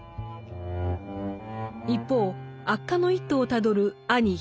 一方悪化の一途をたどる兄兵衛の眼。